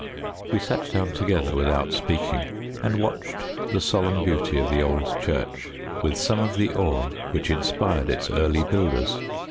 We sat down together without speaking, and watched the solemn beauty of the old church, with some of that awe which inspired its early builders.